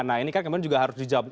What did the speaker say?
nah ini kan kemudian juga harus dijawab